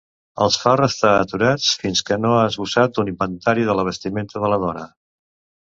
Els fa restar aturats fins que no ha esbossat un inventari de la vestimenta de la dona.